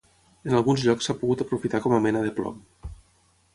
En alguns llocs s'ha pogut aprofitar com a mena de plom.